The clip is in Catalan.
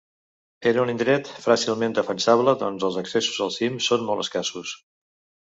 Era un indret fàcilment defensable doncs els accessos al cim són molt escassos.